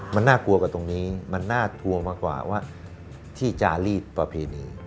มันน่ากลัวก่อตรงนี้มันน่ากลัวมากกว่าว่าที่จารย์รีสประเภทนี้